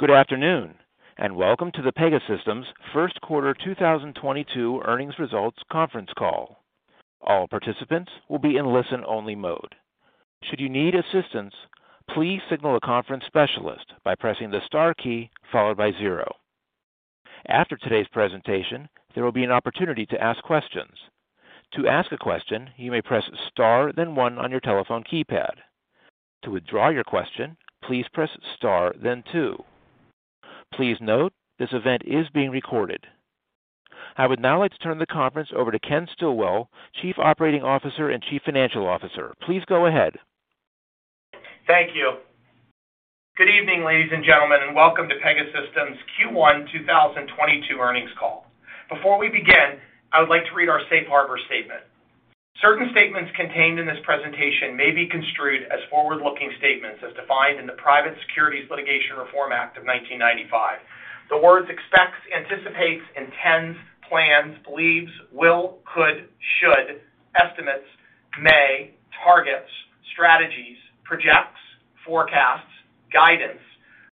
Good afternoon, and welcome to the Pegasystems First Quarter 2022 Earnings Results Conference Call. All participants will be in listen-only mode. Should you need assistance, please signal a conference specialist by pressing the star key followed by zero. After today's presentation, there will be an opportunity to ask questions. To ask a question, you may press star then one on your telephone keypad. To withdraw your question, please press star then two. Please note, this event is being recorded. I would now like to turn the conference over to Ken Stillwell, Chief Operating Officer and Chief Financial Officer. Please go ahead. Thank you. Good evening, ladies and gentlemen, and welcome to Pegasystems' Q1 2022 earnings call. Before we begin, I would like to read our safe harbor statement. Certain statements contained in this presentation may be construed as forward-looking statements as defined in the Private Securities Litigation Reform Act of 1995. The words expects, anticipates, intends, plans, believes, will, could, should, estimates, may, targets, strategies, projects, forecasts, guidance,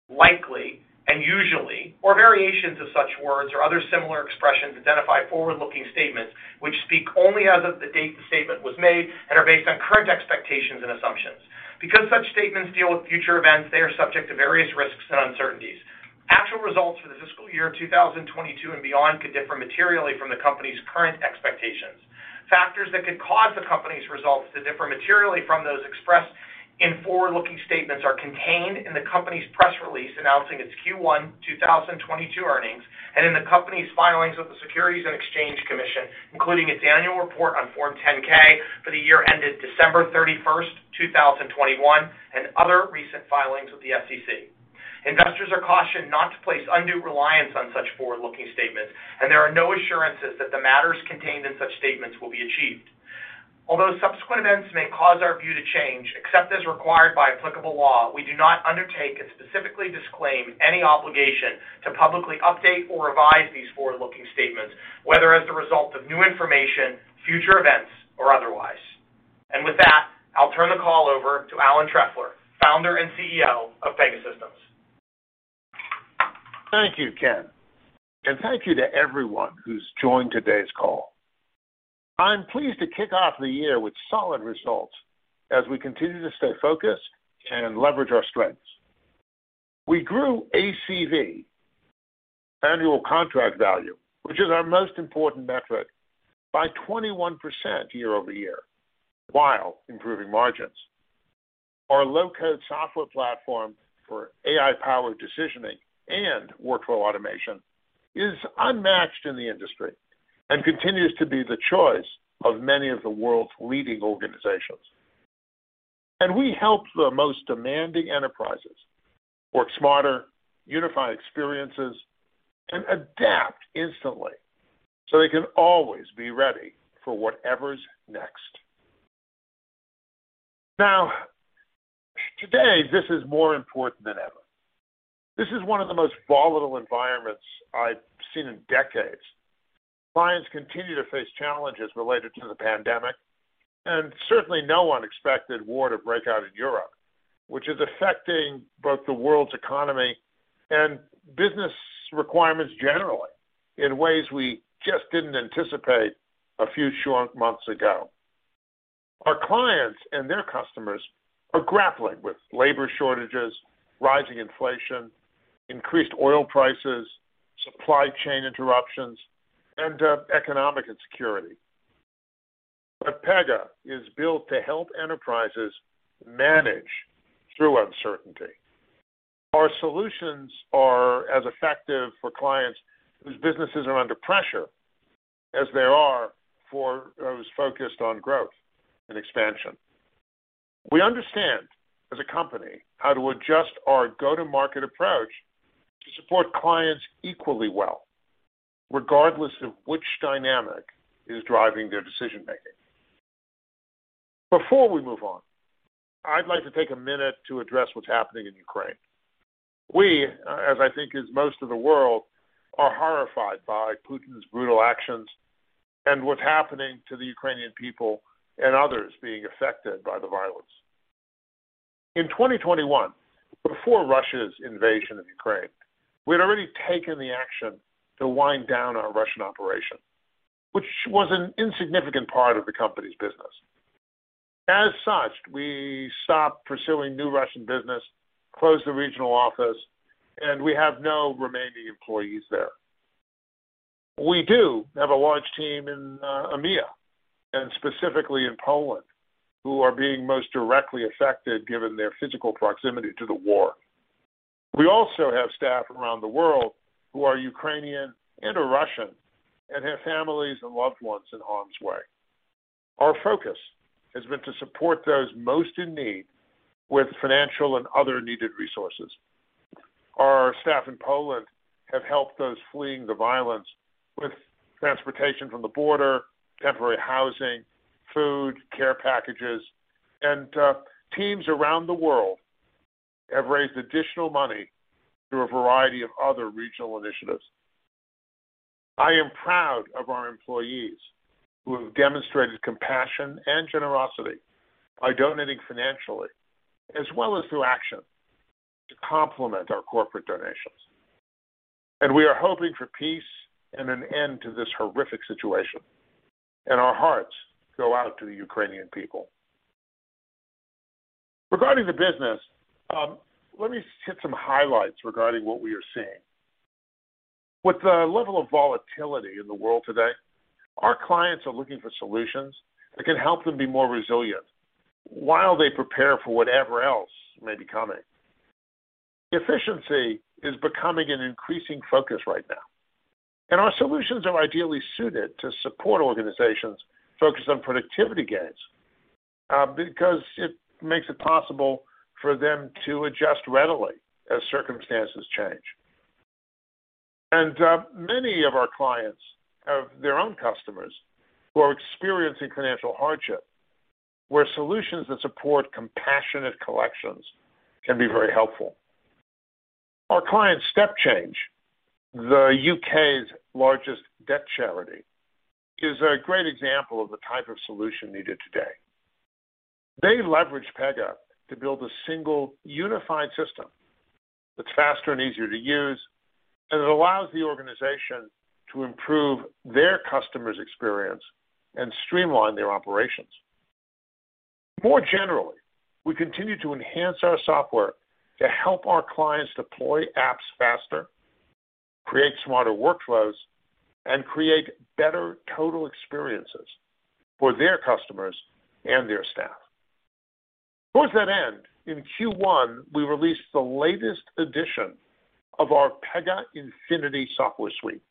likely, and usually, or variations of such words or other similar expressions identify forward-looking statements which speak only as of the date the statement was made and are based on current expectations and assumptions. Because such statements deal with future events, they are subject to various risks and uncertainties. Actual results for the fiscal year 2022 and beyond could differ materially from the company's current expectations. Factors that could cause the company's results to differ materially from those expressed in forward-looking statements are contained in the company's press release announcing its Q1 2022 earnings, and in the company's filings with the Securities and Exchange Commission, including its annual report on Form 10-K for the year ended December 31st, 2021, and other recent filings with the SEC. Investors are cautioned not to place undue reliance on such forward-looking statements, and there are no assurances that the matters contained in such statements will be achieved. Although subsequent events may cause our view to change, except as required by applicable law, we do not undertake and specifically disclaim any obligation to publicly update or revise these forward-looking statements, whether as the result of new information, future events, or otherwise. With that, I'll turn the call over to Alan Trefler, Founder and CEO of Pegasystems. Thank you, Ken, and thank you to everyone who's joined today's call. I'm pleased to kick off the year with solid results as we continue to stay focused and leverage our strengths. We grew ACV, Annual Contract Value, which is our most important metric, by 21% year-over-year while improving margins. Our low-code software platform for AI-powered decisioning and workflow automation is unmatched in the industry and continues to be the choice of many of the world's leading organizations. We help the most demanding enterprises work smarter, unify experiences, and adapt instantly so they can always be ready for whatever's next. Now, today, this is more important than ever. This is one of the most volatile environments I've seen in decades. Clients continue to face challenges related to the pandemic, and certainly no one expected war to break out in Europe, which is affecting both the world's economy and business requirements generally in ways we just didn't anticipate a few short months ago. Our clients and their customers are grappling with labor shortages, rising inflation, increased oil prices, supply chain interruptions, and economic insecurity. Pega is built to help enterprises manage through uncertainty. Our solutions are as effective for clients whose businesses are under pressure as they are for those focused on growth and expansion. We understand as a company how to adjust our go-to-market approach to support clients equally well, regardless of which dynamic is driving their decision-making. Before we move on, I'd like to take a minute to address what's happening in Ukraine. We, as I think is most of the world, are horrified by Putin's brutal actions and what's happening to the Ukrainian people and others being affected by the violence. In 2021, before Russia's invasion of Ukraine, we'd already taken the action to wind down our Russian operation, which was an insignificant part of the company's business. As such, we stopped pursuing new Russian business, closed the regional office, and we have no remaining employees there. We do have a large team in EMEA, and specifically in Poland, who are being most directly affected given their physical proximity to the war. We also have staff around the world who are Ukrainian and are Russian and have families and loved ones in harm's way. Our focus has been to support those most in need with financial and other needed resources. Our staff in Poland have helped those fleeing the violence with transportation from the border, temporary housing, food, care packages, and teams around the world have raised additional money through a variety of other regional initiatives. I am proud of our employees who have demonstrated compassion and generosity by donating financially as well as through action to complement our corporate donations. We are hoping for peace and an end to this horrific situation, and our hearts go out to the Ukrainian people. Regarding the business, let me hit some highlights regarding what we are seeing. With the level of volatility in the world today, our clients are looking for solutions that can help them be more resilient while they prepare for whatever else may be coming. Efficiency is becoming an increasing focus right now, and our solutions are ideally suited to support organizations focused on productivity gains, because it makes it possible for them to adjust readily as circumstances change. Many of our clients have their own customers who are experiencing financial hardship, where solutions that support compassionate collections can be very helpful. Our client StepChange, the U.K.'s largest debt charity, is a great example of the type of solution needed today. They leverage Pega to build a single unified system that's faster and easier to use, and it allows the organization to improve their customers' experience and streamline their operations. More generally, we continue to enhance our software to help our clients deploy apps faster, create smarter workflows, and create better total experiences for their customers and their staff. Towards that end, in Q1, we released the latest edition of our Pega Infinity software suite,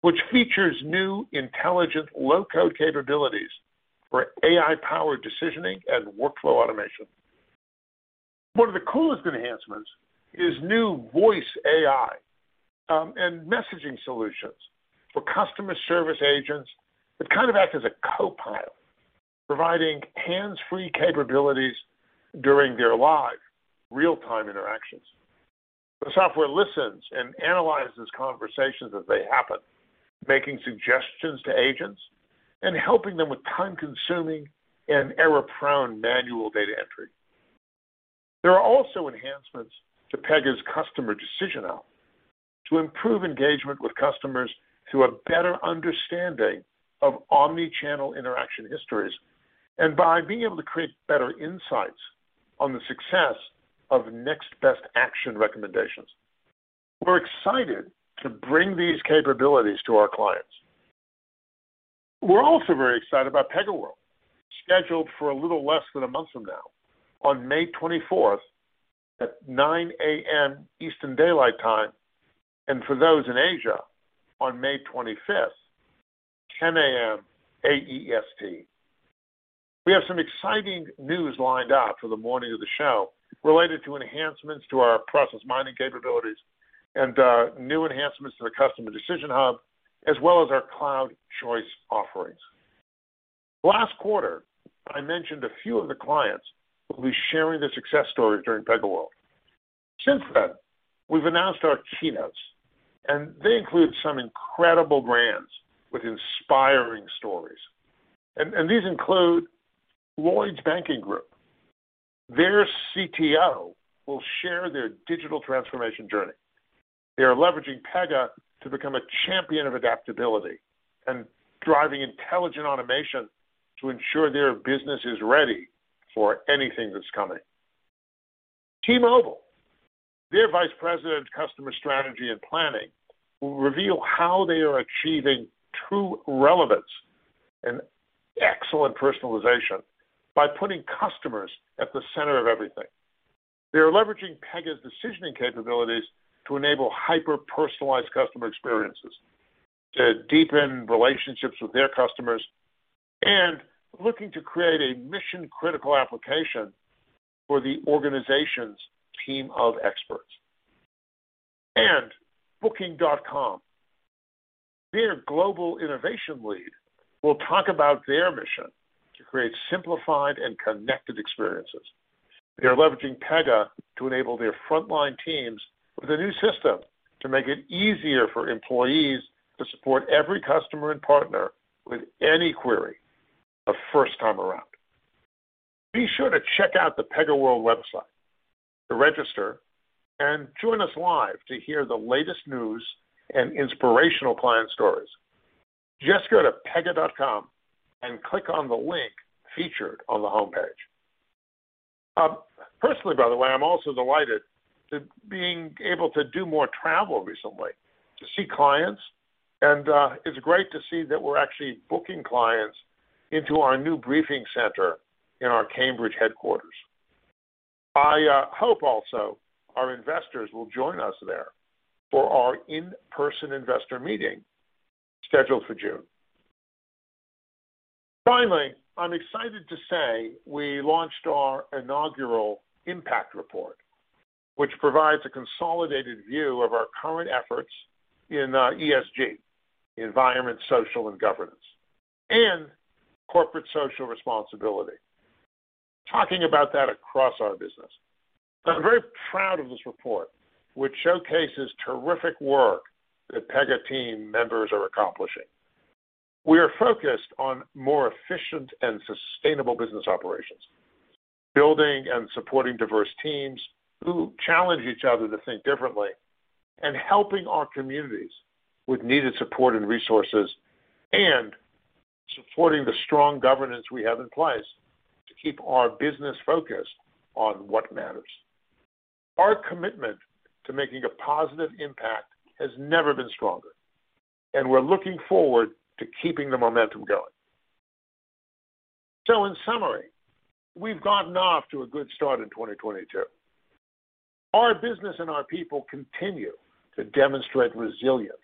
which features new intelligent low-code capabilities for AI-powered decisioning and workflow automation. One of the coolest enhancements is new voice AI and messaging solutions for customer service agents that kind of act as a copilot, providing hands-free capabilities during their live real-time interactions. The software listens and analyzes conversations as they happen, making suggestions to agents and helping them with time-consuming and error-prone manual data entry. There are also enhancements to Pega Customer Decision Hub to improve engagement with customers through a better understanding of omni-channel interaction histories and by being able to create better insights on the success of Next Best Action recommendations. We're excited to bring these capabilities to our clients. We're also very excited about PegaWorld, scheduled for a little less than a month from now on May 24th at 9:00 A.M. Eastern Daylight Time, and for those in Asia, on May 25th, 10:00 A.M. AEST. We have some exciting news lined up for the morning of the show related to enhancements to our process mining capabilities and new enhancements to the Customer Decision Hub, as well as our cloud choice offerings. Last quarter, I mentioned a few of the clients who'll be sharing their success stories during PegaWorld. Since then, we've announced our keynotes, and they include some incredible brands with inspiring stories. These include Lloyds Banking Group. Their CTO will share their digital transformation journey. They are leveraging Pega to become a champion of adaptability and driving intelligent automation to ensure their business is ready for anything that's coming. T-Mobile. Their vice president of customer strategy and planning will reveal how they are achieving true relevance and excellent personalization by putting customers at the center of everything. They are leveraging Pega's decisioning capabilities to enable hyper-personalized customer experiences, to deepen relationships with their customers, and looking to create a mission-critical application for the organization's team of experts. Booking.com. Their global innovation lead will talk about their mission to create simplified and connected experiences. They are leveraging Pega to enable their frontline teams with a new system to make it easier for employees to support every customer and partner with any query the first time around. Be sure to check out the PegaWorld website to register and join us live to hear the latest news and inspirational client stories. Just go to pega.com and click on the link featured on the homepage. Personally, by the way, I'm also delighted to be able to do more travel recently to see clients and it's great to see that we're actually booking clients into our new briefing center in our Cambridge headquarters. I hope also our investors will join us there for our in-person investor meeting scheduled for June. Finally, I'm excited to say we launched our inaugural impact report, which provides a consolidated view of our current efforts in ESG, environment, social, and governance, and corporate social responsibility. Talking about that across our business. I'm very proud of this report, which showcases terrific work that Pega team members are accomplishing. We are focused on more efficient and sustainable business operations, building and supporting diverse teams who challenge each other to think differently, and helping our communities with needed support and resources, and supporting the strong governance we have in place to keep our business focused on what matters. Our commitment to making a positive impact has never been stronger, and we're looking forward to keeping the momentum going. In summary, we've gotten off to a good start in 2022. Our business and our people continue to demonstrate resilience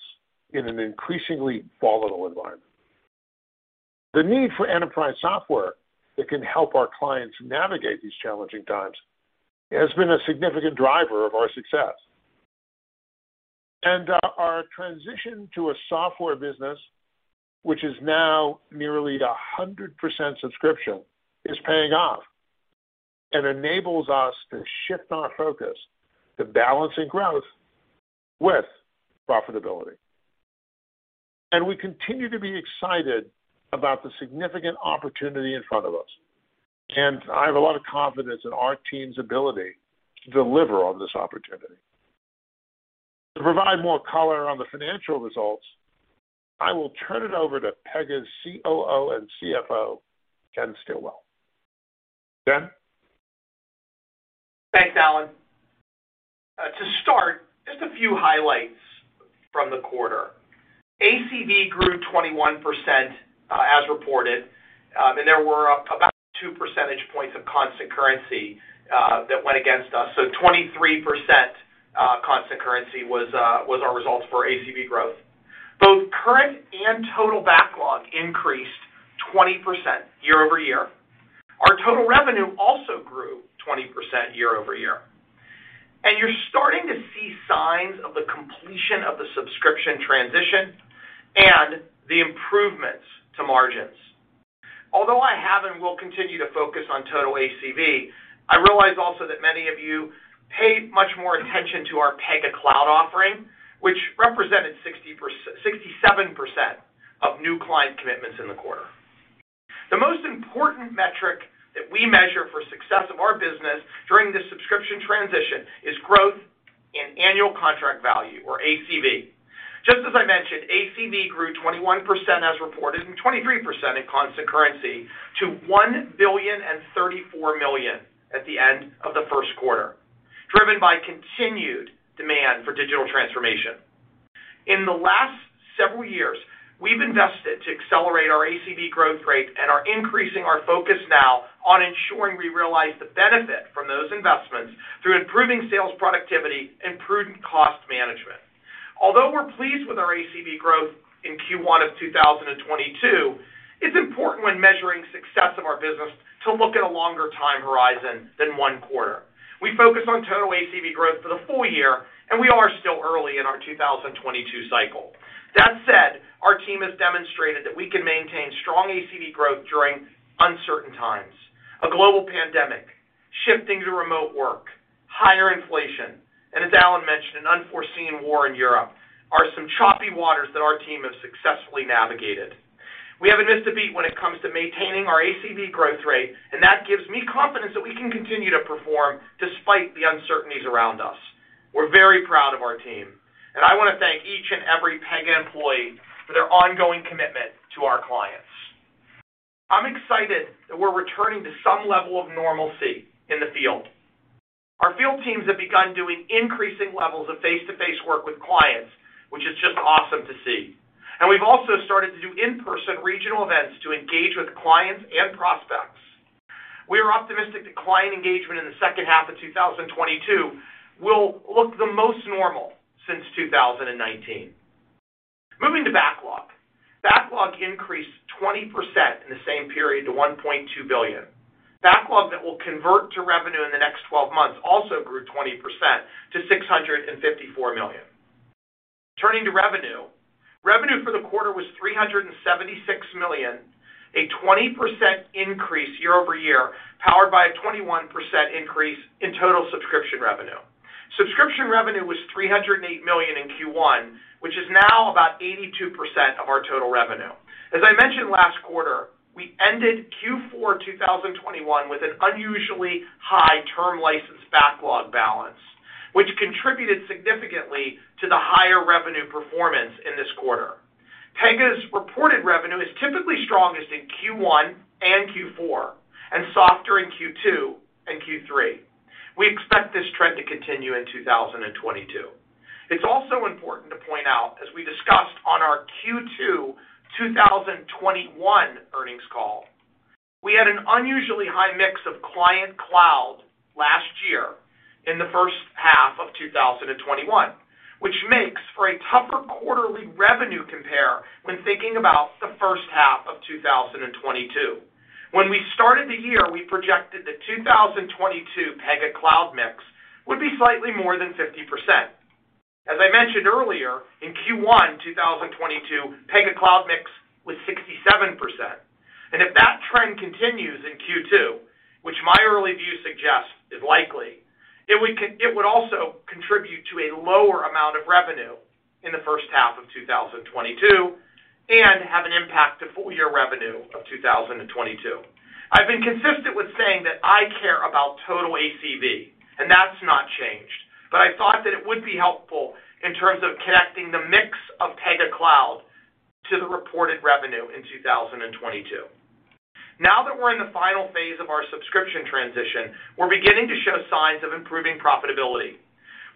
in an increasingly volatile environment. The need for enterprise software that can help our clients navigate these challenging times has been a significant driver of our success. Our transition to a software business, which is now nearly 100% subscription, is paying off and enables us to shift our focus to balancing growth with profitability. We continue to be excited about the significant opportunity in front of us, and I have a lot of confidence in our team's ability to deliver on this opportunity. To provide more color on the financial results, I will turn it over to Pega's COO and CFO, Ken Stillwell. Ken? Thanks, Alan. To start, just a few highlights from the quarter. ACV grew 21%, as reported, and there were about 2 percentage points of constant currency that went against us. So 23%, constant currency was our result for ACV growth. Both current and total backlog increased 20% year-over-year. Our total revenue also grew 20% year-over-year. You're starting to see signs of the completion of the subscription transition and the improvements to margins. Although I have and will continue to focus on total ACV, I realize also that many of you pay much more attention to our Pega Cloud offering, which represented 67% of new client commitments in the quarter. The most important metric that we measure for success of our business during this subscription transition is growth in Annual Contract Value or ACV. Just as I mentioned, ACV grew 21% as reported, and 23% in constant currency to $1,034 million at the end of the first quarter, driven by continued demand for digital transformation. In the last several years, we've invested to accelerate our ACV growth rate and are increasing our focus now on ensuring we realize the benefit from those investments through improving sales productivity and prudent cost management. Although we're pleased with our ACV growth in Q1 of 2022, it's important when measuring success of our business to look at a longer time horizon than one quarter. We focus on total ACV growth for the full year, and we are still early in our 2022 cycle. That said, our team has demonstrated that we can maintain strong ACV growth during uncertain times. A global pandemic, shifting to remote work, higher inflation, and as Alan mentioned, an unforeseen war in Europe, are some choppy waters that our team have successfully navigated. We haven't missed a beat when it comes to maintaining our ACV growth rate, and that gives me confidence that we can continue to perform despite the uncertainties around us. We're very proud of our team, and I want to thank each and every Pega employee for their ongoing commitment to our clients. I'm excited that we're returning to some level of normalcy in the field. Our field teams have begun doing increasing levels of face-to-face work with clients, which is just awesome to see. We've also started to do in-person regional events to engage with clients and prospects. We are optimistic that client engagement in the second half of 2022 will look the most normal since 2019. Moving to backlog. Backlog increased 20% in the same period to $1.2 billion. Backlog that will convert to revenue in the next 12 months also grew 20% to $654 million. Turning to revenue. Revenue for the quarter was $376 million, a 20% increase year-over-year, powered by a 21% increase in total subscription revenue. Subscription revenue was $308 million in Q1, which is now about 82% of our total revenue. As I mentioned last quarter, we ended Q4 2021 with an unusually high term license backlog balance, which contributed significantly to the higher revenue performance in this quarter. Pega's reported revenue is typically strongest in Q1 and Q4, and softer in Q2 and Q3. We expect this trend to continue in 2022. It's also important to point out, as we discussed on our Q2 2021 earnings call, we had an unusually high mix of client cloud last year in the first half of 2021, which makes for a tougher quarterly revenue compare when thinking about the first half of 2022. When we started the year, we projected the 2022 Pega Cloud mix would be slightly more than 50%. As I mentioned earlier, in Q1 2022, Pega Cloud mix was 67%. If that trend continues in Q2, which my early view suggests is likely, it would also contribute to a lower amount of revenue in the first half of 2022 and have an impact to full-year revenue of 2022. I've been consistent with saying that I care about total ACV, and that's not changed, but I thought that it would be helpful in terms of connecting the mix of Pega Cloud to the reported revenue in 2022. Now that we're in the final phase of our subscription transition, we're beginning to show signs of improving profitability.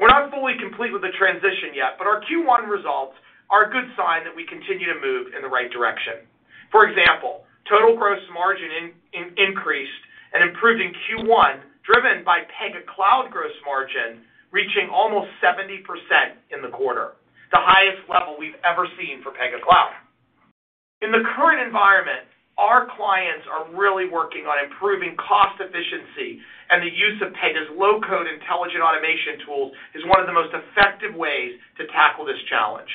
We're not fully complete with the transition yet, but our Q1 results are a good sign that we continue to move in the right direction. For example, total gross margin increased and improved in Q1, driven by Pega Cloud gross margin reaching almost 70% in the quarter, the highest level we've ever seen for Pega Cloud. In the current environment, our clients are really working on improving cost efficiency, and the use of Pega's low-code intelligent automation tools is one of the most effective ways to tackle this challenge.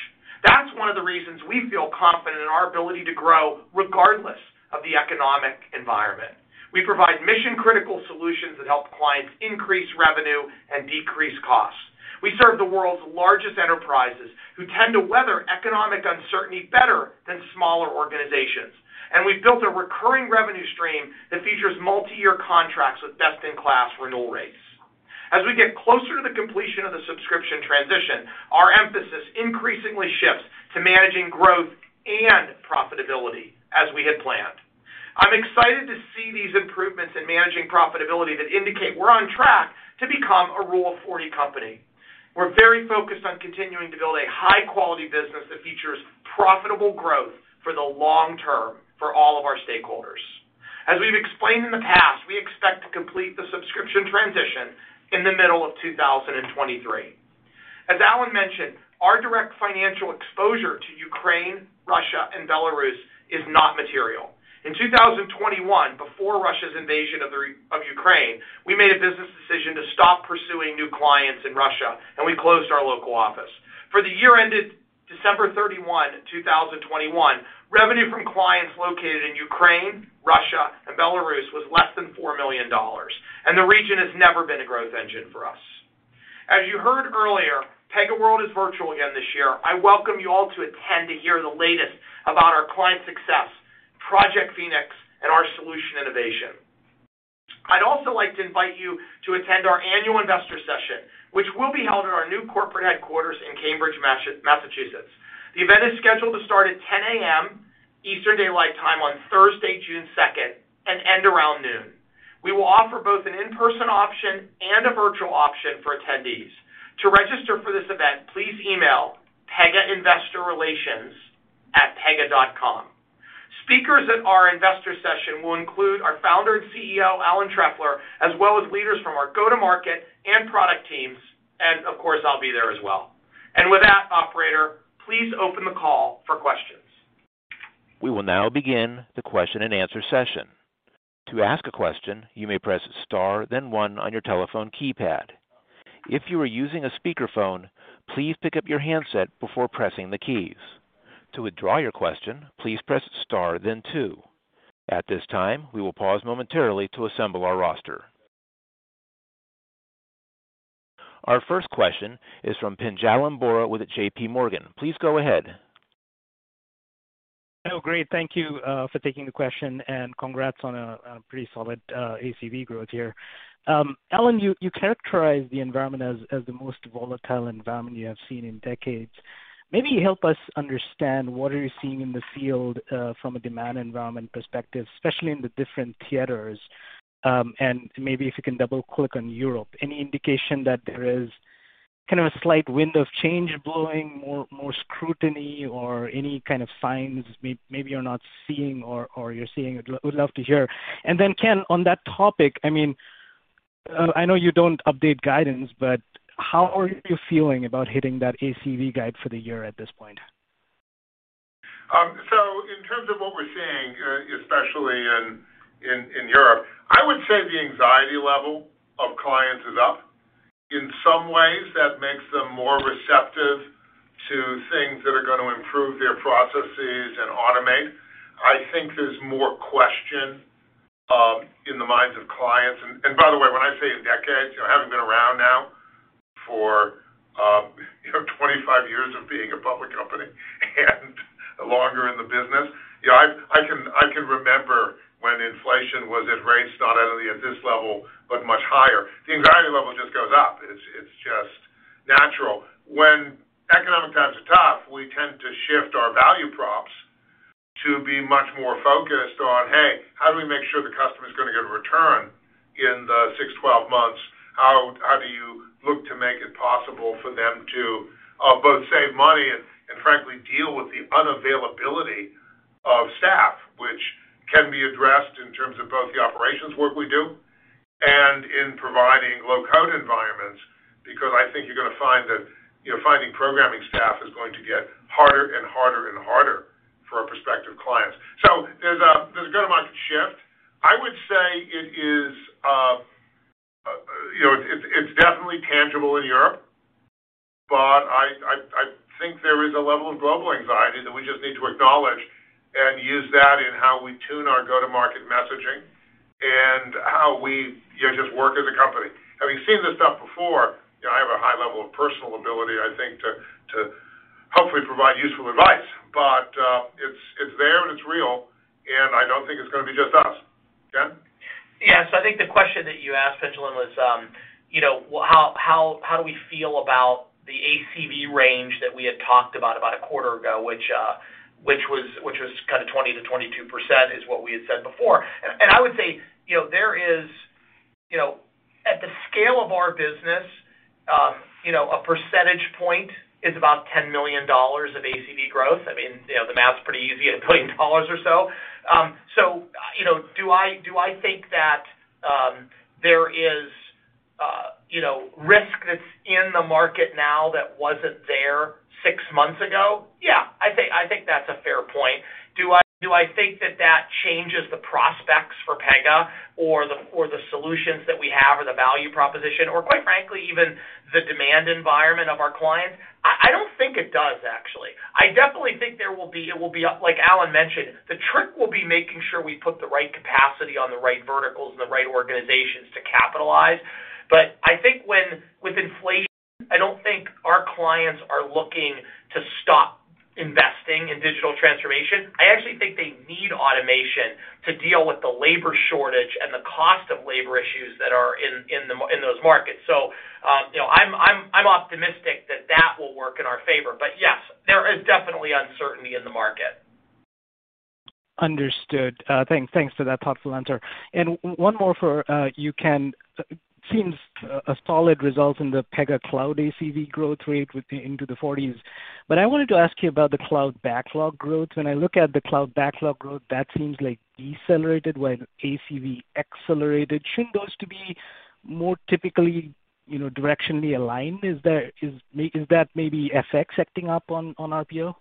That's one of the reasons we feel confident in our ability to grow regardless of the economic environment. We provide mission-critical solutions that help clients increase revenue and decrease costs. We serve the world's largest enterprises who tend to weather economic uncertainty better than smaller organizations. We've built a recurring revenue stream that features multi-year contracts with best-in-class renewal rates. As we get closer to the completion of the subscription transition, our emphasis increasingly shifts to managing growth and profitability as we had planned. I'm excited to see these improvements in managing profitability that indicate we're on track to become a Rule of 40 company. We're very focused on continuing to build a high-quality business that features profitable growth for the long term for all of our stakeholders. As we've explained in the past, we expect to complete the subscription transition in the middle of 2023. As Alan mentioned, our direct financial exposure to Ukraine, Russia, and Belarus is not material. In 2021, before Russia's invasion of Ukraine, we made a business decision to stop pursuing new clients in Russia, and we closed our local office. For the year ended December 31, 2021, revenue from clients located in Ukraine, Russia, and Belarus was less than $4 million, and the region has never been a growth engine for us. As you heard earlier, PegaWorld is virtual again this year. I welcome you all to attend to hear the latest about our client success, Project Phoenix, and our solution innovation. I'd also like to invite you to attend our annual investor session, which will be held at our new corporate headquarters in Cambridge, Massachusetts. The event is scheduled to start at 10:00 A.M. Eastern Daylight Time on Thursday, June 2nd, and end around noon. We will offer both an in-person option and a virtual option for attendees. To register for this event, please email pegainvestorrelations@pega.com. Speakers at our investor session will include our Founder and CEO, Alan Trefler, as well as leaders from our go-to-market and product teams, and of course, I'll be there as well. With that, operator, please open the call for questions. We will now begin the question and answer session. To ask a question, you may press Star, then one on your telephone keypad. If you are using a speakerphone, please pick up your handset before pressing the keys. To withdraw your question, please press Star then two. At this time, we will pause momentarily to assemble our roster. Our first question is from Pinjalim Bora with JPMorgan. Please go ahead. Oh, great. Thank you for taking the question and congrats on a pretty solid ACV growth here. Alan, you characterized the environment as the most volatile environment you have seen in decades. Maybe help us understand what you are seeing in the field from a demand environment perspective, especially in the different theaters. And maybe if you can double-click on Europe. Any indication that there is kind of a slight wind of change blowing, more scrutiny or any kind of signs maybe you're not seeing or you're seeing, would love to hear. Ken, on that topic, I mean, I know you don't update guidance, but how are you feeling about hitting that ACV guide for the year at this point? In terms of what we're seeing, especially in Europe, I would say the anxiety level of clients is up. In some ways, that makes them more receptive to things that are gonna improve their processes and automate. I think there's more question in the minds of clients. By the way, when I say decades, you know, having been around now for, you know, 25 years of being a public company and longer in the business. You know, I can remember when inflation was at rates not only at this level but much higher. The anxiety level just goes up. It's just natural. When economic times are tough, we tend to shift our value props to be much more focused on, hey, how do we make sure the customer's gonna get a return in the 6-12 months? How do you look to make it possible for them to both save money and frankly deal with the unavailability of staff, which can be addressed in terms of both the operations work we do and in providing low-code environments because I think you're gonna find that, you know, finding programming staff is going to get harder and harder and harder. You know, it's definitely tangible in Europe, but I think there is a level of global anxiety that we just need to acknowledge and use that in how we tune our go-to-market messaging and how we, you know, just work as a company. Having seen this stuff before, you know, I have a high level of personal ability, I think, to hopefully provide useful advice. But it's there and it's real, and I don't think it's gonna be just us. Ken? Yes. I think the question that you asked, Pinjalim, was, you know, how do we feel about the ACV range that we had talked about a quarter ago, which was kinda 20%-22% is what we had said before. I would say, you know, there is, you know, at the scale of our business, you know, a percentage point is about $10 million of ACV growth. I mean, you know, the math's pretty easy at $1 billion or so. You know, do I think that there is, you know, risk that's in the market now that wasn't there six months ago? Yeah, I think that's a fair point. Do I think that changes the prospects for Pega or the solutions that we have or the value proposition or, quite frankly, even the demand environment of our clients? I don't think it does actually. I definitely think it will be, like Alan mentioned, the trick will be making sure we put the right capacity on the right verticals and the right organizations to capitalize. I think with inflation, I don't think our clients are looking to stop investing in digital transformation. I actually think they need automation to deal with the labor shortage and the cost of labor issues that are in those markets. You know, I'm optimistic that that will work in our favor. Yes, there is definitely uncertainty in the market. Understood. Thanks for that thoughtful answer. One more for you, Ken. Seems a solid result in the Pega Cloud ACV growth rate into the forties. I wanted to ask you about the cloud backlog growth. When I look at the cloud backlog growth, that seems like decelerated when ACV accelerated. Shouldn't those two be more typically, you know, directionally aligned? Is that maybe FX acting up on RPO?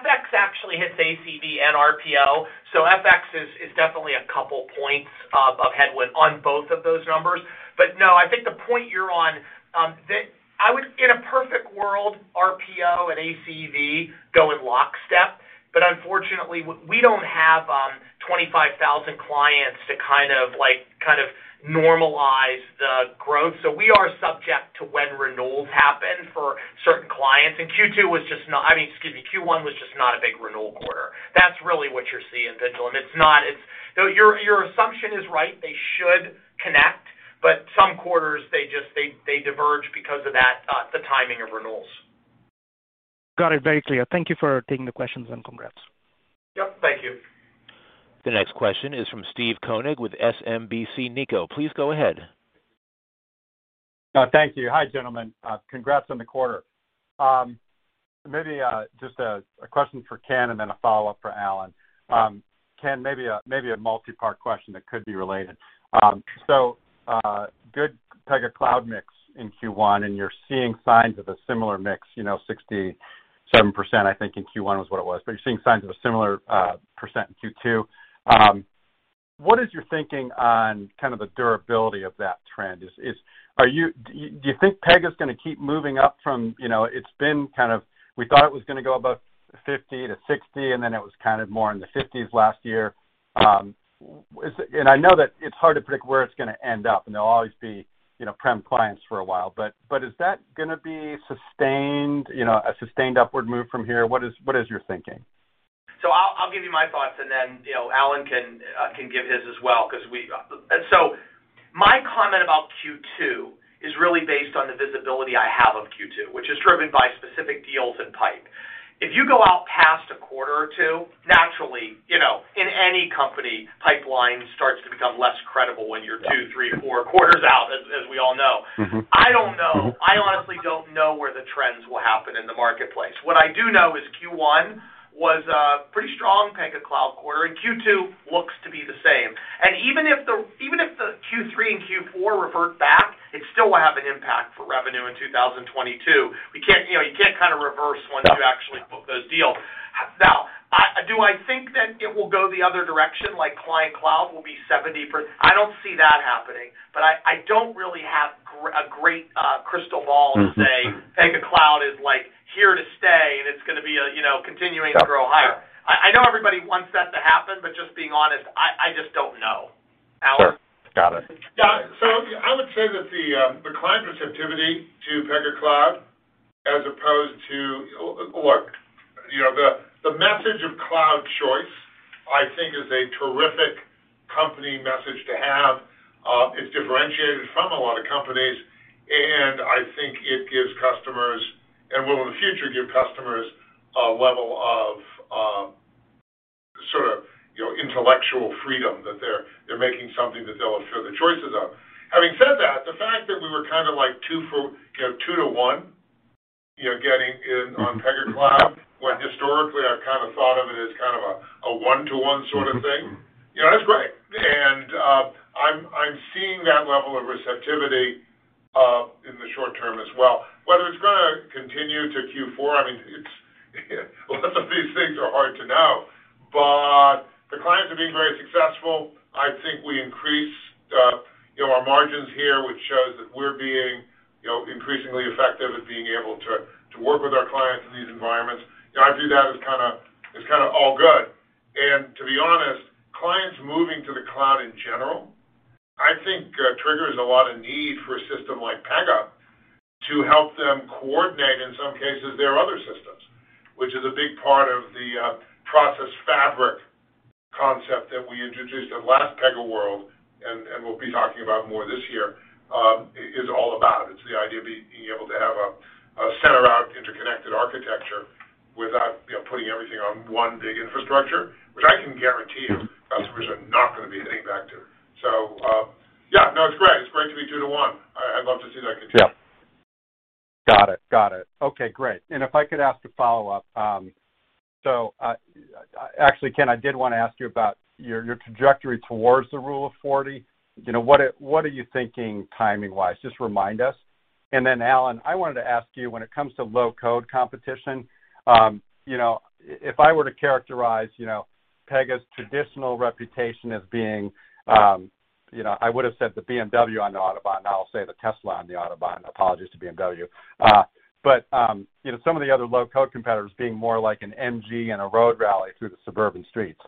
FX actually hits ACV and RPO. FX is definitely a couple points of headwind on both of those numbers. No, I think the point you're on. In a perfect world, RPO and ACV go in lockstep, but unfortunately we don't have 25,000 clients to kind of like normalize the growth. We are subject to when renewals happen for certain clients. Q1 was just not a big renewal quarter. That's really what you're seeing, Pinjalim. No, your assumption is right. They should connect, but some quarters, they just diverge because of that, the timing of renewals. Got it very clear. Thank you for taking the questions, and congrats. Yep, thank you. The next question is from Steve Koenig with SMBC Nikko. Please go ahead. Thank you. Hi, gentlemen. Congrats on the quarter. Maybe just a question for Ken and then a follow-up for Alan. Ken, maybe a multi-part question that could be related. Good Pega Cloud mix in Q1, and you're seeing signs of a similar mix, you know, 67%, I think in Q1 is what it was, but you're seeing signs of a similar percent in Q2. What is your thinking on kind of the durability of that trend? Do you think Pega's gonna keep moving up from, you know, it's been kind of we thought it was gonna go above 50 to 60, and then it was kind of more in the 50s last year. I know that it's hard to predict where it's gonna end up, and there'll always be, you know, prem clients for a while, but is that gonna be sustained, you know, a sustained upward move from here? What is your thinking? I'll give you my thoughts, and then, you know, Alan can give his as well. My comment about Q2 is really based on the visibility I have of Q2, which is driven by specific deals and pipe. If you go out past a quarter or two, naturally, you know, in any company, pipeline starts to become less credible when you're two, three, four quarters out, as we all know. Mm-hmm. I honestly don't know where the trends will happen in the marketplace. What I do know is Q1 was a pretty strong Pega Cloud quarter, and Q2 looks to be the same. Even if the Q3 and Q4 revert back, it still will have an impact for revenue in 2022. You know, you can't kinda reverse once you actually book those deals. Now, do I think that it will go the other direction, like client cloud will be 70%... I don't see that happening, but I don't really have a great crystal ball to say Pega Cloud is, like, here to stay, and it's gonna be, you know, continuing to grow higher. I know everybody wants that to happen, but just being honest, I just don't know. Alan? Sure. Got it. Yeah. I would say that the client receptivity to Pega Cloud as opposed to. Look, you know, the message of cloud choice, I think, is a terrific company message to have. It's differentiated from a lot of companies, and I think it gives customers, and will in the future give customers a level of sorta, you know, intellectual freedom that they're making something that they'll feel the choices of. Having said that, the fact that we were kinda like 2 for 2 to 1 getting in on Pega Cloud, when historically I've kinda thought of it as kind of a 1-to-1 sorta thing, you know, that's great. I'm seeing that level of receptivity. Continue to Q4. I mean, a lot of these things are hard to know. The clients are being very successful. I think we increased, you know, our margins here, which shows that we're being, you know, increasingly effective at being able to work with our clients in these environments. You know, I view that as kinda all good. To be honest, clients moving to the cloud in general, I think, triggers a lot of need for a system like Pega to help them coordinate, in some cases, their other systems, which is a big part of the Process Fabric concept that we introduced at last PegaWorld, and we'll be talking about more this year, is all about. It's the idea of being able to have a center-out interconnected architecture without, you know, putting everything on one big infrastructure, which I can guarantee you customers are not gonna be heading back to. Yeah, no, it's great. It's great to be two to one. I'd love to see that continue. Yeah. Got it. Okay, great. If I could ask a follow-up. Actually, Ken, I did wanna ask you about your trajectory toward the Rule of 40. You know, what are you thinking timing-wise? Just remind us. Then, Alan, I wanted to ask you, when it comes to low-code competition, you know, if I were to characterize, you know, Pega's traditional reputation as being, you know, I would have said the BMW on the Autobahn, now I'll say the Tesla on the Autobahn. Apologies to BMW. You know, some of the other low-code competitors being more like an MG in a road rally through the suburban streets.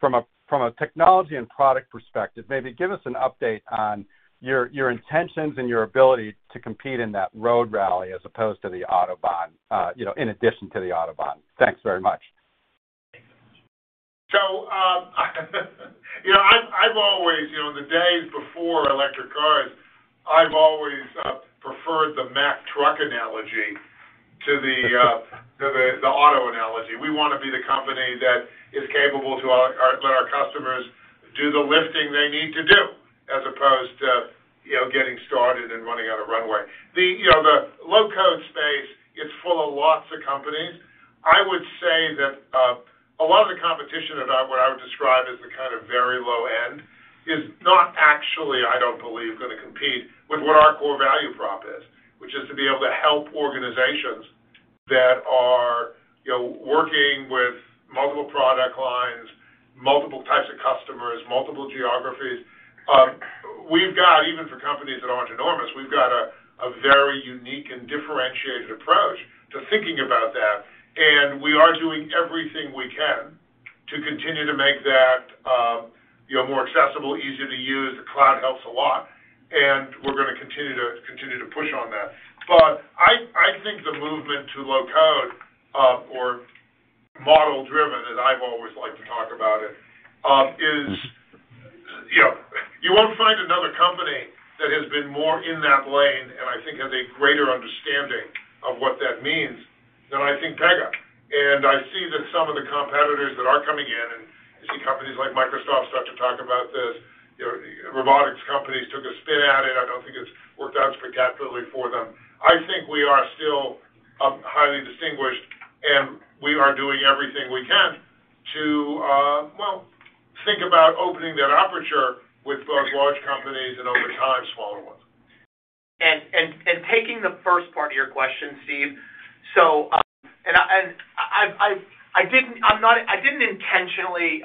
From a technology and product perspective, maybe give us an update on your intentions and your ability to compete in that road rally as opposed to the Autobahn, you know, in addition to the Autobahn. Thanks very much. You know, I've always preferred the Mack Trucks analogy to the auto analogy. We wanna be the company that is capable of letting our customers do the lifting they need to do, as opposed to, you know, getting started and running on a runway. You know, the low-code space is full of lots of companies. I would say that a lot of the competition about what I would describe as the kind of very low end is not actually, I don't believe, gonna compete with what our core value prop is, which is to be able to help organizations that are, you know, working with multiple product lines, multiple types of customers, multiple geographies. We've got, even for companies that aren't enormous, we've got a very unique and differentiated approach to thinking about that, and we are doing everything we can to continue to make that, you know, more accessible, easier to use. The cloud helps a lot, and we're gonna continue to push on that. I think the movement to low-code or model-driven, as I've always liked to talk about it, is, you know, you won't find another company that has been more in that lane and I think has a greater understanding of what that means than I think Pega. I see that some of the competitors that are coming in, and you see companies like Microsoft start to talk about this, you know, robotics companies took a spin at it. I don't think it's worked out spectacularly for them. I think we are still highly distinguished, and we are doing everything we can to think about opening that aperture with both large companies and over time, smaller ones. Taking the first part of your question, Steve. I didn't intentionally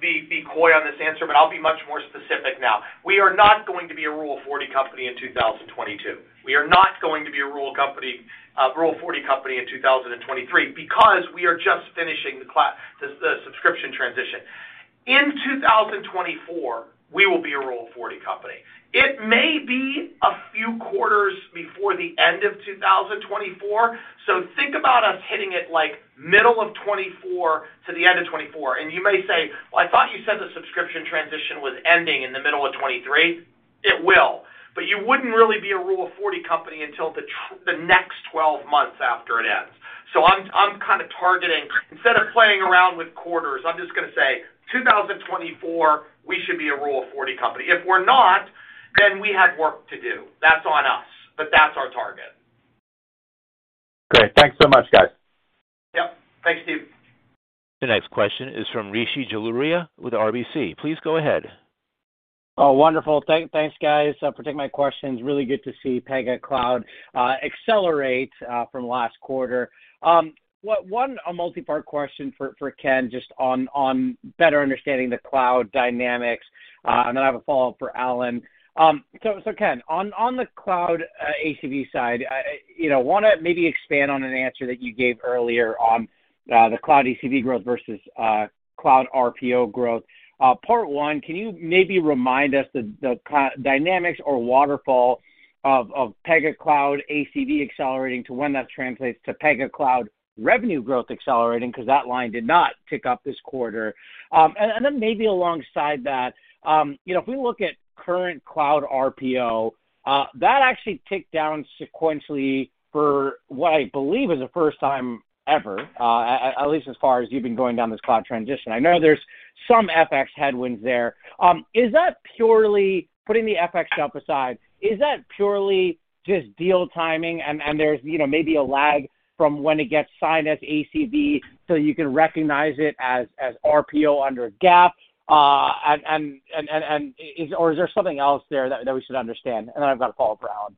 be coy on this answer, but I'll be much more specific now. We are not going to be a Rule of 40 company in 2022. We are not going to be a Rule of 40 company in 2023 because we are just finishing the subscription transition. In 2024, we will be a Rule of 40 company. It may be a few quarters before the end of 2024, so think about us hitting it, like, middle of 2024 to the end of 2024. You may say, "Well, I thought you said the subscription transition was ending in the middle of 2023." It will, but you wouldn't really be a Rule of 40 company until the next 12 months after it ends. I'm kinda targeting, instead of playing around with quarters, I'm just gonna say 2024, we should be a Rule of 40 company. If we're not, then we had work to do. That's on us, but that's our target. Great. Thanks so much, guys. Yep. Thanks, Steve. The next question is from Rishi Jaluria with RBC. Please go ahead. Oh, wonderful. Thanks, guys, for taking my questions. Really good to see Pega Cloud accelerate from last quarter. One multi-part question for Ken just on better understanding the cloud dynamics, and then I have a follow-up for Alan. So Ken, on the cloud ACV side, you know, wanna maybe expand on an answer that you gave earlier on the cloud ACV growth versus cloud RPO growth. Part one, can you maybe remind us the cloud dynamics or waterfall of Pega Cloud ACV accelerating to when that translates to Pega Cloud revenue growth accelerating, 'cause that line did not tick up this quarter. Maybe alongside that, you know, if we look at current cloud RPO, that actually ticked down sequentially for what I believe is the first time ever, at least as far as you've been going down this cloud transition. I know there's some FX headwinds there. Is that purely, putting the FX stuff aside, just deal timing and there's, you know, maybe a lag from when it gets signed as ACV so you can recognize it as RPO under GAAP? Or is there something else there that we should understand? I've got a follow-up for Alan.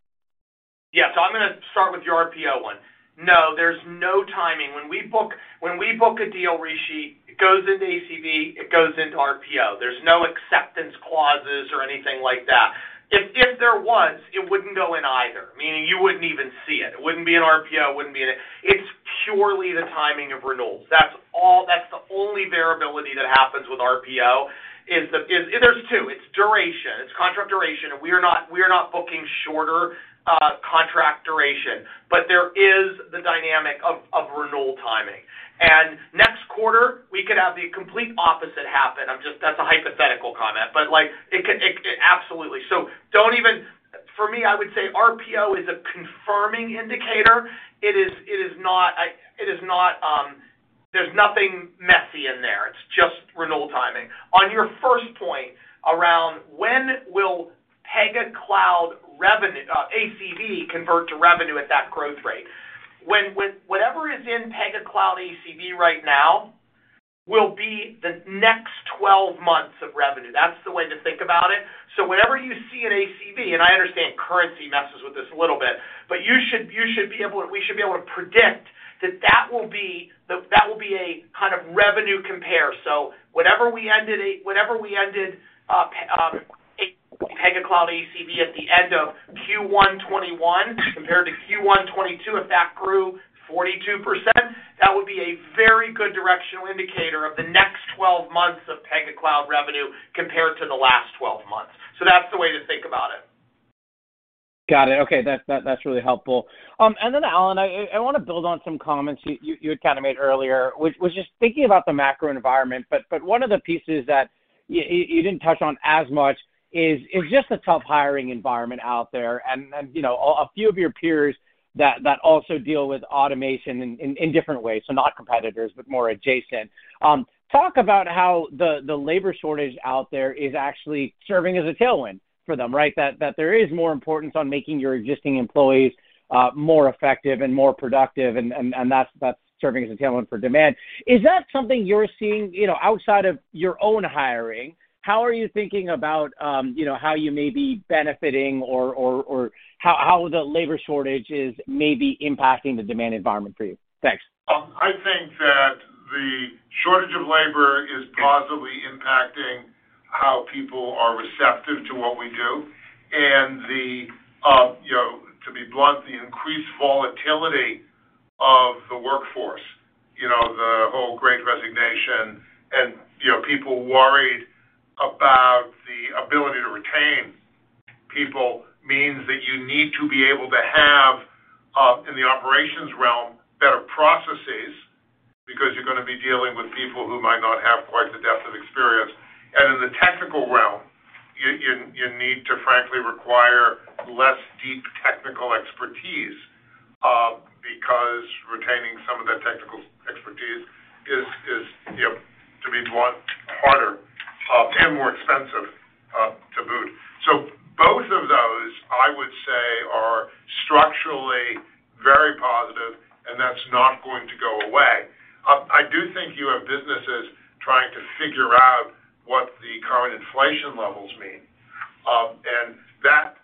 Yeah. I'm gonna start with your RPO one. No, there's no timing. When we book a deal, Rishi, it goes into ACV, it goes into RPO. There's no acceptance clauses or anything like that. If there was, it wouldn't go in either, meaning you wouldn't even see it. It wouldn't be an RPO. It's purely the timing of renewals. That's all. That's the only variability that happens with RPO is there's two, it's duration, it's contract duration, and we are not booking shorter contract duration. But there is the dynamic of renewal timing. Next quarter, we could have the complete opposite happen. That's a hypothetical comment, but like, it could absolutely. For me, I would say RPO is a confirming indicator. It is not, there's nothing messy in there. It's just renewal timing. On your first point around when will Pega Cloud ACV convert to revenue at that growth rate. When whatever is in Pega Cloud ACV right now will be the next 12 months of revenue. That's the way to think about it. Whatever you see in ACV, and I understand currency messes with this a little bit, but you should be able to, we should be able to predict that will be a kind of revenue compare. Whatever we ended up, Pega Cloud ACV at the end of Q1 2021 compared to Q1 2022, if that grew 42%, that would be a very good directional indicator of the next 12 months of Pega Cloud revenue compared to the last 12 months. That's the way to think about it. Got it. Okay. That's really helpful. Alan, I wanna build on some comments you had kinda made earlier, which was just thinking about the macro environment. One of the pieces that you didn't touch on as much is just the tough hiring environment out there. You know, a few of your peers that also deal with automation in different ways, so not competitors, but more adjacent. Talk about how the labor shortage out there is actually serving as a tailwind for them, right? That there is more importance on making your existing employees more effective and more productive, and that's serving as a tailwind for demand. Is that something you're seeing, you know, outside of your own hiring? How are you thinking about, you know, how you may be benefiting or how the labor shortage is maybe impacting the demand environment for you? Thanks. I think that the shortage of labor is positively impacting how people are receptive to what we do. The increased volatility of the workforce, you know, to be blunt, the whole great resignation and, you know, people worried about the ability to retain people means that you need to be able to have in the operations realm, better processes, because you're gonna be dealing with people who might not have quite the depth of experience. In the technical realm, you need to frankly require less deep technical expertise because retaining some of that technical expertise is, you know, to be blunt, harder and more expensive to boot. Both of those, I would say, are structurally very positive, and that's not going to go away. I do think you have businesses trying to figure out what the current inflation levels mean, and that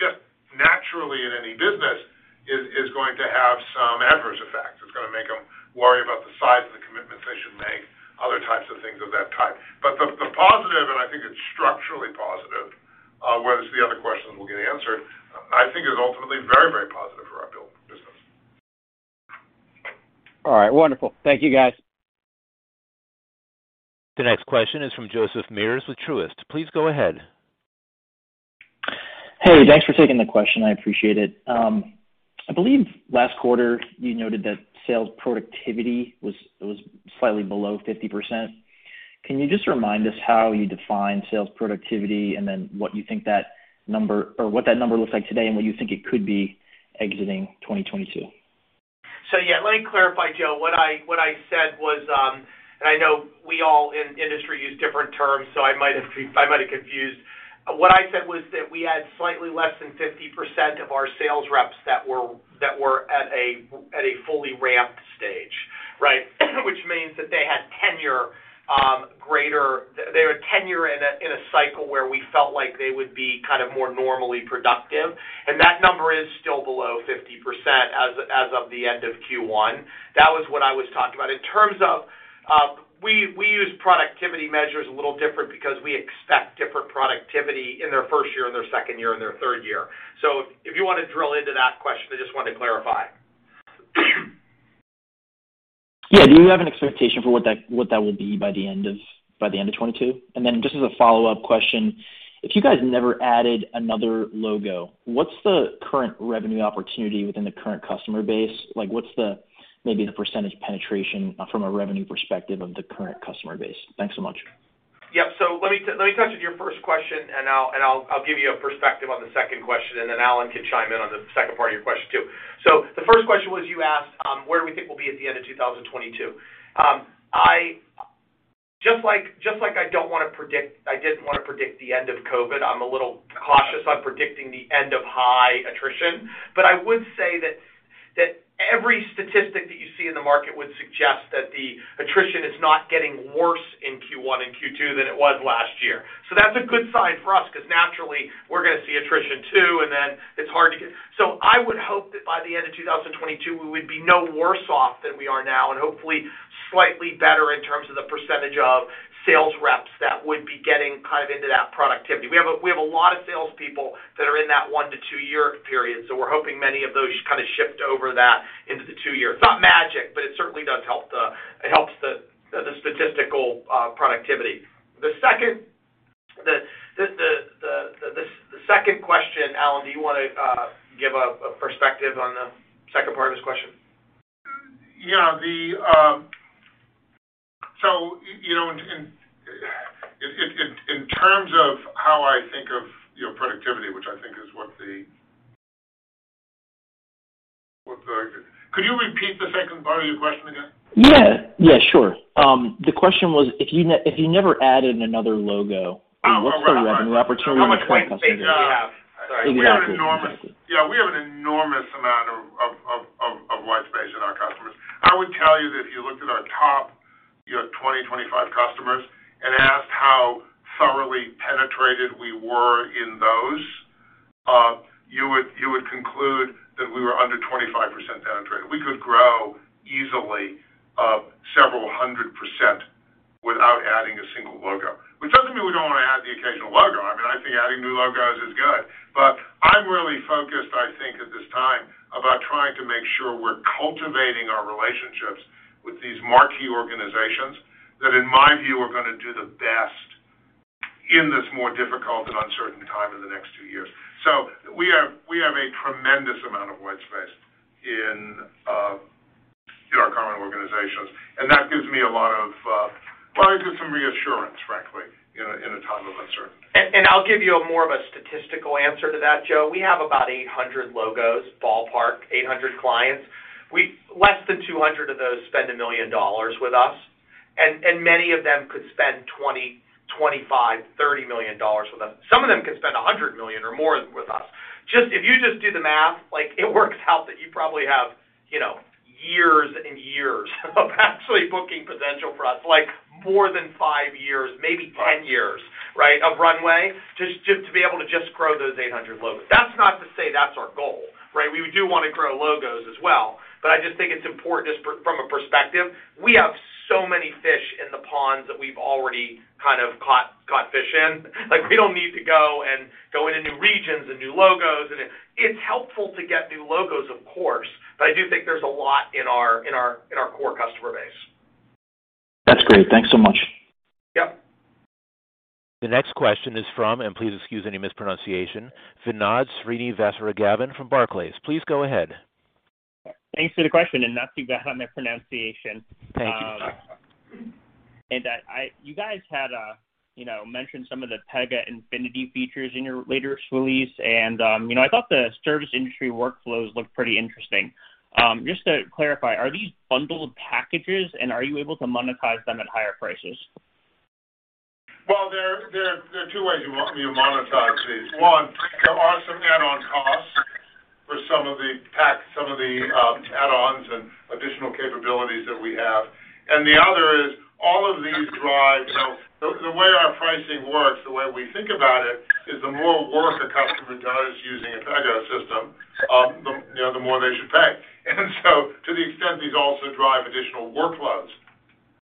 just naturally in any business is going to have some adverse effects. It's gonna make them worry about the size of the commitments they should make, other types of things of that type. The positive, and I think it's structurally positive, whether it's the other questions will get answered, I think is ultimately very, very positive for our build business. All right. Wonderful. Thank you, guys. The next question is from Joseph Meares with Truist. Please go ahead. Hey, thanks for taking the question. I appreciate it. I believe last quarter you noted that sales productivity was slightly below 50%. Can you just remind us how you define sales productivity and then what you think that number or what that number looks like today and what you think it could be exiting 2022? Yeah, let me clarify, Joe. What I said was, and I know we all in industry use different terms, so I might have confused. What I said was that we had slightly less than 50% of our sales reps that were at a fully ramped stage, right? Which means that they had tenure. They had tenure in a cycle where we felt like they would be kind of more normally productive. That number is still below 50% as of the end of Q1. That was what I was talking about. In terms of, we use productivity measures a little different because we expect different productivity in their first year, in their second year, in their third year. If you wanna drill into that question, I just wanted to clarify. Yeah. Do you have an expectation for what that will be by the end of 2022? Then just as a follow-up question, if you guys never added another logo, what's the current revenue opportunity within the current customer base? Like, what's maybe the percentage penetration from a revenue perspective of the current customer base? Thanks so much. Yeah. Let me touch on your first question, and I'll give you a perspective on the second question, and then Alan can chime in on the second part of your question too. The first question was you asked where do we think we'll be at the end of 2022. Just like I didn't wanna predict the end of COVID, I'm a little cautious on predicting the end of high attrition. I would say that every statistic that you see in the market would suggest that the attrition is not getting worse in Q1 and Q2 than it was last year. That's a good sign for us because naturally we're gonna see attrition too, and then it's hard to get. I would hope that by the end of 2022, we would be no worse off than we are now, and hopefully slightly better in terms of the percentage of sales reps that would be getting kind of into that productivity. We have a lot of salespeople that are in that one to two-year period, so we're hoping many of those kind of shift over that into the two years. It's not magic, but it certainly helps the statistical productivity. The second question, Alan, do you wanna give a perspective on the second part of this question? Yeah. You know, in terms of how I think of, you know, productivity. Could you repeat the second part of your question again? Yeah. Yeah, sure. The question was, if you never added another logo. Oh, right. What sort of an opportunity? How much white space do we have? Exactly. Yeah, we have an enormous amount of white space in our customers. I would tell you that if you looked at our top, you know, 20-25 customers and asked how thoroughly penetrated we were in those, you would conclude that we were under 25% penetrated. We could grow easily several hundred percent without adding a single logo. Which doesn't mean we don't wanna add the occasional logo. I mean, I think adding new logos is good. I'm really focused, I think, at this time about trying to make sure we're cultivating our relationships with these marquee organizations that, in my view, are gonna do the best in this more difficult and uncertain time in the next two years. We have a tremendous amount of white space in our current organizations, and that gives some reassurance, frankly, in a time of uncertainty. I'll give you a more of a statistical answer to that, Joe. We have about 800 logos, ballpark 800 clients. We less than 200 of those spend $1 million with us, and many of them could spend $20 million, $25 million, $30 million with us. Some of them could spend $100 million or more with us. Just, if you just do the math, like, it works out that you probably have, you know, years and years of actually booking potential for us, like more than five years, maybe 10 years, right? Of runway to be able to just grow those 800 logos. That's not to say that's our goal, right? We do wanna grow logos as well, but I just think it's important just from a perspective. We have so many fish in the ponds that we've already kind of caught fish in. Like, we don't need to go into new regions and new logos. It's helpful to get new logos, of course, but I do think there's a lot in our core customer base. That's great. Thanks so much. Yep. The next question is from, and please excuse any mispronunciation, Vinod Srinivasaraghavan from Barclays. Please go ahead. Thanks for the question, and not too bad on my pronunciation. Thank you. You guys had you know mentioned some of the Pega Infinity features in your latest release. You know, I thought the service industry workflows looked pretty interesting. Just to clarify, are these bundled packages, and are you able to monetize them at higher prices? Well, there are two ways you monetize these. One, there are some add-on costs for some of the add-ons and additional capabilities that we have. The other is all of these drive. You know, the way our pricing works, the way we think about it, is the more work a customer does using a Pega system, you know, the more they should pay. To the extent these also drive additional workloads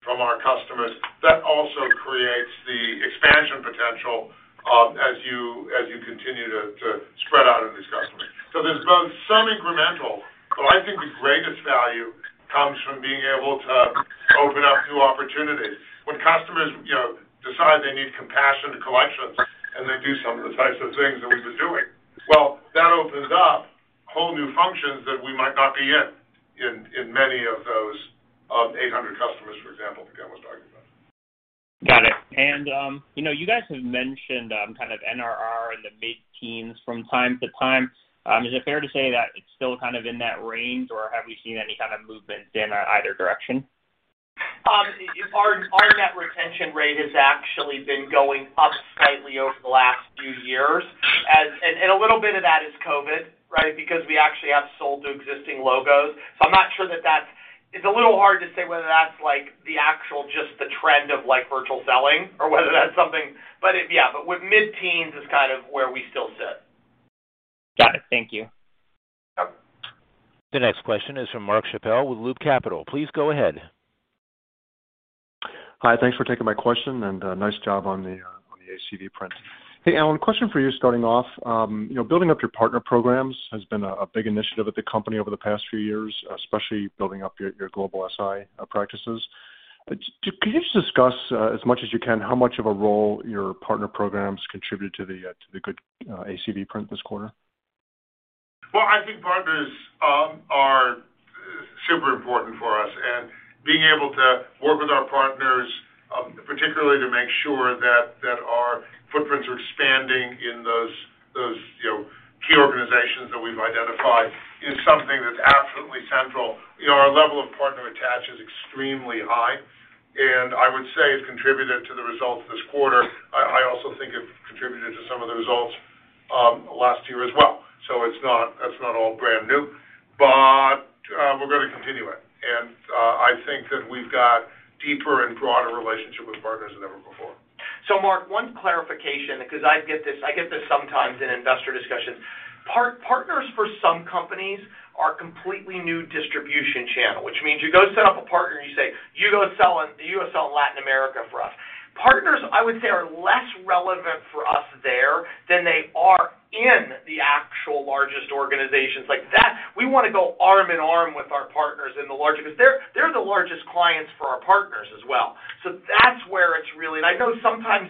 from our customers, that also creates the expansion potential, as you continue to spread out of these customers. There's both some incremental, but I think the greatest value comes from being able to open up new opportunities. When customers, you know, decide they need compassion and collections and they do some of the types of things that we've been doing, well, that opens up whole new functions that we might not be in many of those 800 customers, for example, Pega was talking about. Got it. You know, you guys have mentioned kind of NRR in the mid-teens from time to time. Is it fair to say that it's still kind of in that range, or have we seen any kind of movement in either direction? Our net retention rate has actually been going up slightly over the last few years. A little bit of that is COVID, right? Because we actually have sold to existing logos. I'm not sure that that's. It's a little hard to say whether that's like the actual just the trend of like virtual selling or whether that's something. With mid-teens is kind of where we still sit. Got it. Thank you. Yep. The next question is from Mark Schappel with Loop Capital. Please go ahead. Hi. Thanks for taking my question, and nice job on the ACV print. Hey, Alan, question for you starting off. You know, building up your partner programs has been a big initiative at the company over the past few years, especially building up your global SI practices. Could you just discuss as much as you can how much of a role your partner programs contributed to the good ACV print this quarter? Well, I think partners are super important for us. Being able to work with our partners, particularly to make sure that our footprints are expanding in those, you know, key organizations that we've identified is something that's absolutely central. You know, our level of partner attach is extremely high. I would say it contributed to the results this quarter. I also think it contributed to some of the results last year as well. It's not all brand new, but we're gonna continue it. I think that we've got deeper and broader relationship with partners than ever before. Mark, one clarification, because I get this sometimes in investor discussions. Partners for some companies are completely new distribution channel, which means you go set up a partner, and you say, "You go sell in Latin America for us." Partners, I would say, are less relevant for us there than they are in the actual largest organizations. Like that, we wanna go arm in arm with our partners in the larger, 'cause they're the largest clients for our partners as well. That's where it's really. I know sometimes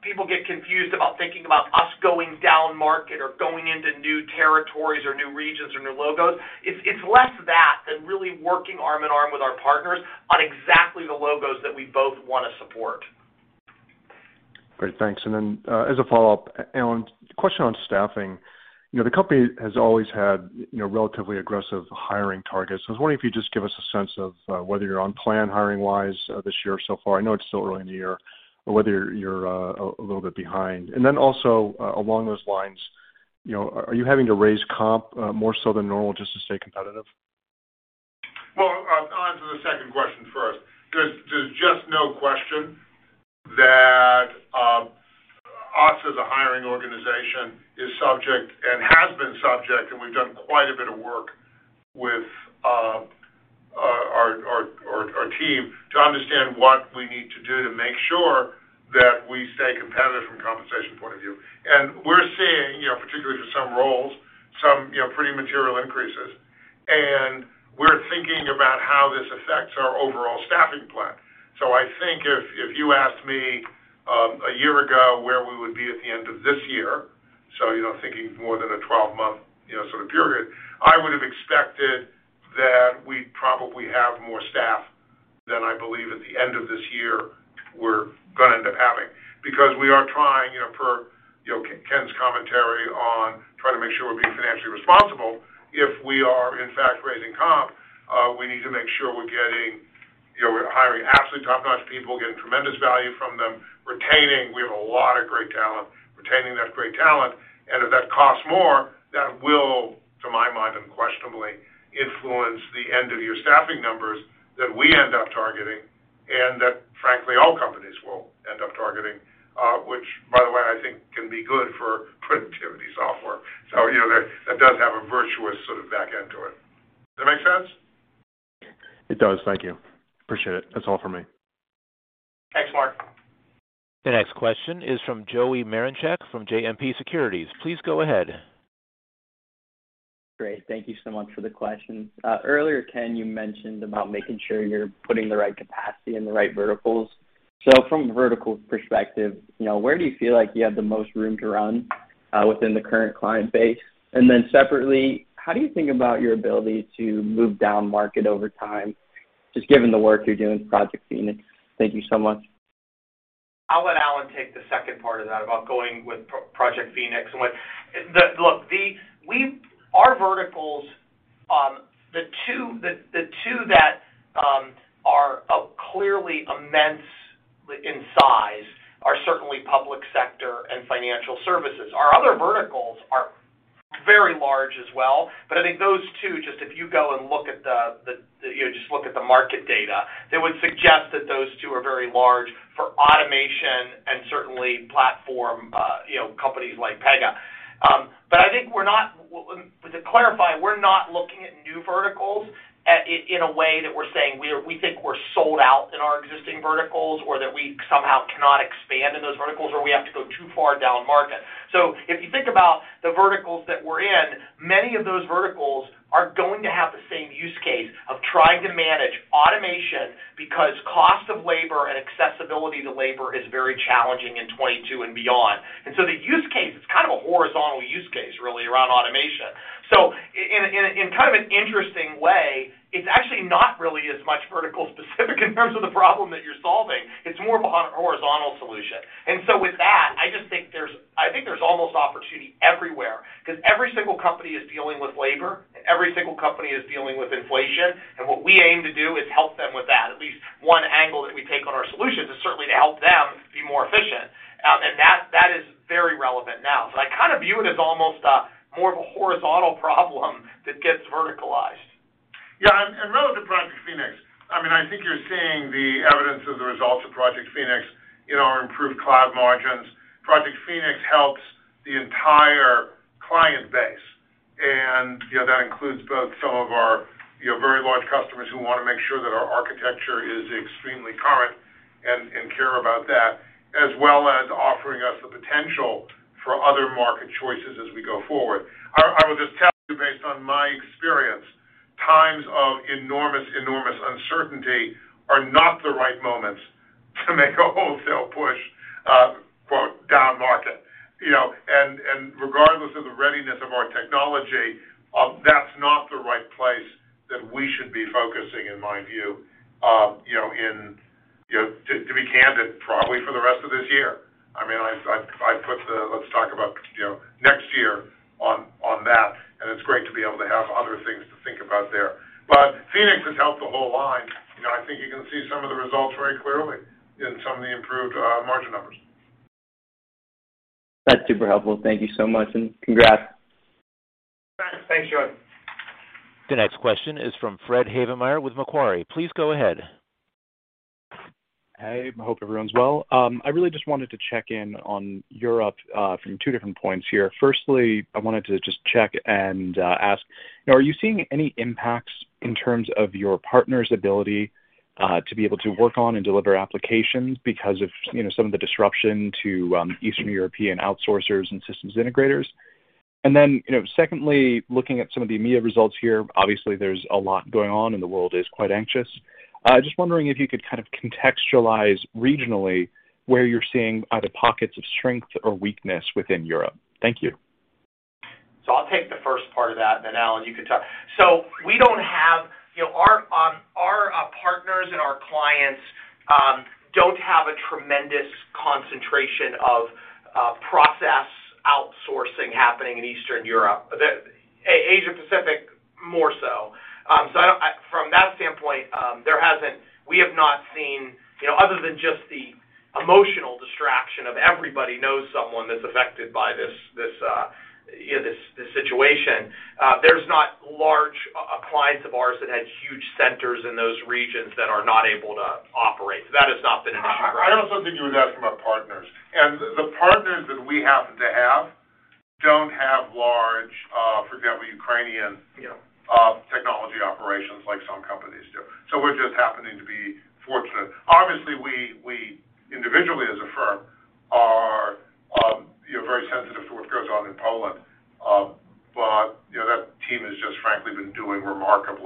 people get confused about thinking about us going down market or going into new territories or new regions or new logos. It's less that than really working arm in arm with our partners on exactly the logos that we both wanna support. Great. Thanks. As a follow-up, Alan, question on staffing. You know, the company has always had, you know, relatively aggressive hiring targets. I was wondering if you'd just give us a sense of whether you're on plan hiring-wise this year so far. I know it's still early in the year. Or whether you're a little bit behind. Along those lines, you know, are you having to raise comp more so than normal just to stay competitive? Well, I'll answer the second question first. There's just no question that us as a hiring organization is subject and has been subject, and we've done quite a bit of work with our team to understand what we need to do to make sure that we stay competitive from a compensation point of view. We're seeing, you know, particularly for some roles, you know, pretty material increases. We're thinking about how this affects our overall staffing plan. I think if you asked me a year ago where we would be at the end of this year, you know, thinking more than a 12-month, you know, sort of period, I would have expected that we'd probably have more staff than I believe at the end of this year we're gonna end up having because we are trying, you know, per, you know, Ken's commentary on trying to make sure we're being financially responsible. If we are, in fact, raising comp, we need to make sure we're getting, you know, we're hiring absolutely top-notch people, getting tremendous value from them, retaining. We have a lot of great talent, retaining that great talent. If that costs more, that will, to my mind, unquestionably influence the end-of-year staffing numbers that we end up targeting and that, frankly, all companies will end up targeting, which by the way, I think can be good for productivity software. You know, that does have a virtuous sort of back end to it. Does that make sense? It does. Thank you. Appreciate it. That's all for me. Thanks, Mark. The next question is from Joey Marincek from JMP Securities. Please go ahead. Great. Thank you so much for the question. Earlier, Ken, you mentioned about making sure you're putting the right capacity in the right verticals. From a vertical perspective, you know, where do you feel like you have the most room to run within the current client base? Separately, how do you think about your ability to move down market over time, just given the work you're doing with Project Phoenix? Thank you so much. I'll let Alan take the second part of that about going with Project Phoenix and what. Look, our verticals, the two that are clearly immense in size are certainly public sector and financial services. Our other verticals are very large as well, but I think those two, just if you go and look at the, you know, just look at the market data, they would suggest that those two are very large for automation and certainly platform, you know, companies like Pega. But I think we're not. To clarify, we're not looking at new verticals in a way that we're saying we think we're sold out in our existing verticals or that we somehow cannot expand in those verticals or we have to go too far down market. If you think about the verticals that we're in, many of those verticals are going to have the same use case of trying to manage automation because cost of labor and accessibility to labor is very challenging in 2022 and beyond. The use case is kind of a horizontal use case, really, around automation. In kind of an interesting way, it's actually not really as much vertical specific in terms of the problem that you're solving. It's more of a horizontal solution. With that, I think there's almost opportunity everywhere because every single company is dealing with labor, every single company is dealing with inflation. What we aim to do is help them with that. At least one angle that we take on our solutions is certainly to help them be more efficient. That is very relevant now. I kinda view it as almost a more of a horizontal problem that gets verticalized. Relative to Project Phoenix, I mean, I think you're seeing the evidence of the results of Project Phoenix in our improved cloud margins. Project Phoenix helps the entire client base, you know, that includes both some of our very large customers who wanna make sure that our architecture is extremely current and care about that, as well as offering us the potential for other market choices as we go forward. I will just tell you based on my experience, times of enormous uncertainty are not the right moments to make a wholesale push for down market. You know, regardless of the readiness of our technology, that's not the right place that we should be focusing in my view, you know, to be candid, probably for the rest of this year. I mean, let's talk about, you know, next year. It's great to be able to have other things to think about there. Phoenix has helped the whole line, and I think you can see some of the results very clearly in some of the improved margin numbers. That's super helpful. Thank you so much, and congrats. Thanks, Joey. The next question is from Fred Havemeyer with Macquarie. Please go ahead. Hey, I hope everyone's well. I really just wanted to check in on Europe from two different points here. Firstly, I wanted to just check and ask, are you seeing any impacts in terms of your partner's ability to be able to work on and deliver applications because of, you know, some of the disruption to Eastern European outsourcers and systems integrators? You know, secondly, looking at some of the EMEA results here, obviously, there's a lot going on, and the world is quite anxious. Just wondering if you could kind of contextualize regionally where you're seeing either pockets of strength or weakness within Europe? Thank you. I'll take the first part of that, and then, Alan, you can talk. We don't have, you know, our partners and our clients don't have a tremendous concentration of process outsourcing happening in Eastern Europe. Asia Pacific more so. From that standpoint, we have not seen, you know, other than just the emotional distraction of everybody knows someone that's affected by this, you know, this situation, there's not large clients of ours that had huge centers in those regions that are not able to operate. That has not been an issue for us. I also think you would ask from our partners. The partners that we happen to have don't have large, for example, Ukrainian, you know, technology operations like some companies do. We're just happening to be fortunate. Obviously, we individually as a firm are, you know, very sensitive to what goes on in Poland. You know, that team has just frankly been doing remarkably,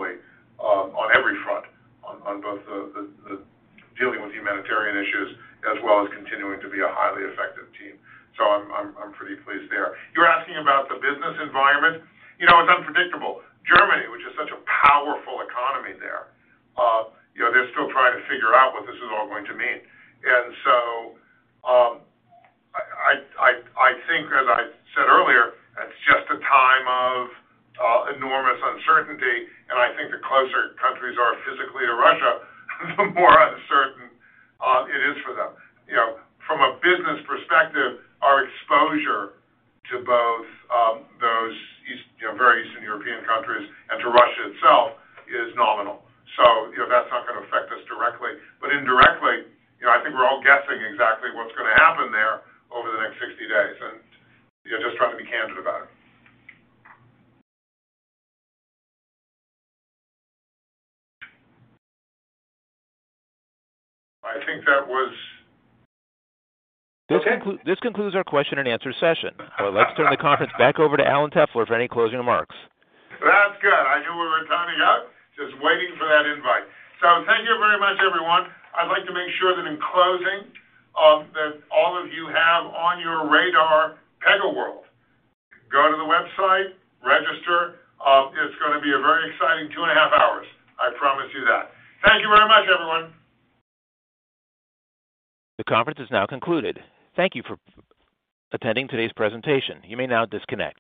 attending today's presentation. You may now disconnect.